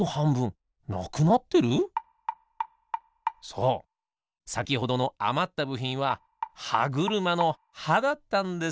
そうさきほどのあまったぶひんははぐるまのはだったんですね。